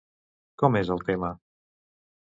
Com és el tema?